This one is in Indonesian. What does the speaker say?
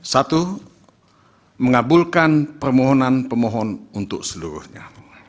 satu mengabulkan permohonan pemohon untuk seluruhnya